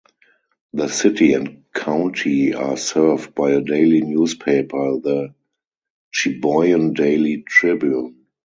The city and county are served by a daily newspaper, the "Cheboygan Daily Tribune".